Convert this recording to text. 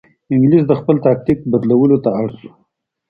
انګلیس د خپل تاکتیک بدلولو ته اړ شو.